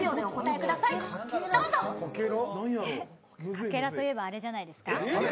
かけらといえば、あれじゃないですか？